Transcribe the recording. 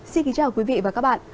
xin kính chào quý vị và các bạn